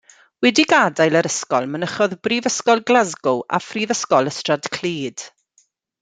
Wedi gadael yr ysgol mynychodd Brifysgol Glasgow a Phrifysgol Ystrad Clud.